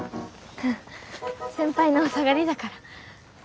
先輩のお下がりだから。